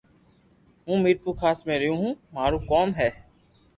ھون ميرپوخاص ۾ رھيو ھون مارو ڪوم ھي